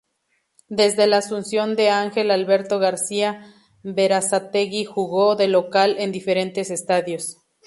Desde la asunción de Ángel Alberto García, Berazategui jugó de local en diferentes estadios.